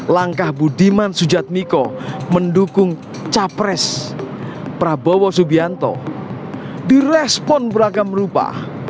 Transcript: langkah budiman sujatmiko mendukung capres prabowo subianto direspon beragam rupa